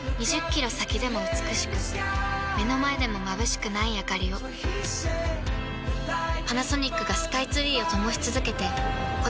２０キロ先でも美しく目の前でもまぶしくないあかりをパナソニックがスカイツリーを灯し続けて今年で１０年